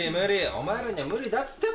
お前らには無理だっつってんだろうよ。